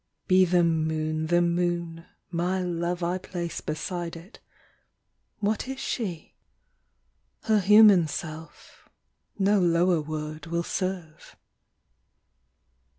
Be the moon the moon: my Love I place beside it: What is she? Her human self, no lower word will serve.